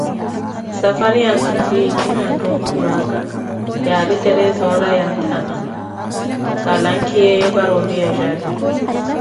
Safari ya nssumpitji na nthunkulu aka yari terezi yora ya ntana kalankiyeevo para oviyajari